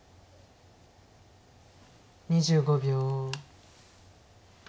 ２５秒。